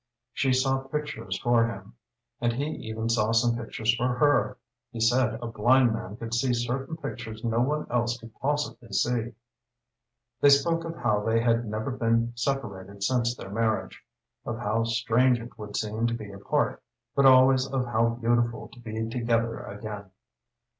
She saw pictures for him, and he even saw some pictures for her, he said a blind man could see certain pictures no one else could possibly see. They spoke of how they had never been separated since their marriage, of how strange it would seem to be apart, but always of how beautiful to be together again.